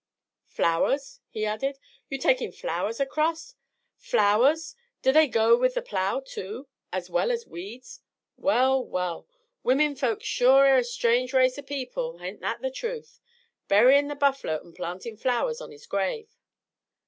"Flowers?" he added. "You takin' flowers acrost? Flowers do they go with the plow, too, as well as weeds? Well, well! Wimminfolks shore air a strange race o' people, hain't that the truth? Buryin' the buffler an' plantin' flowers on his grave!